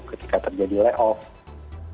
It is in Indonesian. ketika terjadi layoff